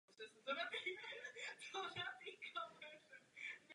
Přejeme vám mnoho úspěchů.